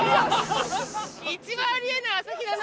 一番あり得ない朝日奈に。